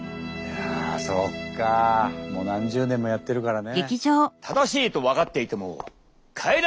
そっかもう何十年もやってるからね。